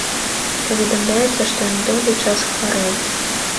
Паведамляецца, што ён доўгі час хварэў.